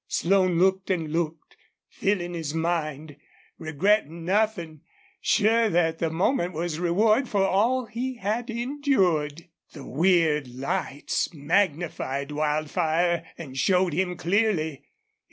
Slone looked and looked, filling his mind, regretting nothing, sure that the moment was reward for all he had endured. The weird lights magnified Wildfire and showed him clearly.